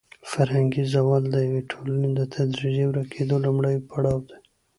فرهنګي زوال د یوې ټولنې د تدریجي ورکېدو لومړنی پړاو دی.